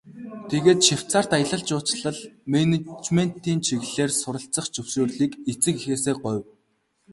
Тэгээд Швейцарьт аялал жуулчлал, менежментийн чиглэлээр суралцах зөвшөөрлийг эцэг эхээсээ гуйв.